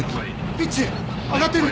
ピッチ上がってる！